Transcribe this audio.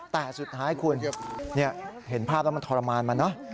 แต่สุดท้ายคุณเห็นภาพแล้วมันทรมานมันเนอะ